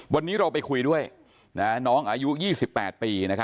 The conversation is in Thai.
วันนี้เราไปคุยด้วยน้องอายุ๒๘ปี